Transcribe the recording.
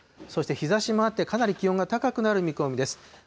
そして、日ざしもあって、かなり気温が高くなる見込みです。